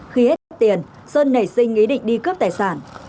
khi hết tiền sơn nảy sinh ý định đi cướp tài sản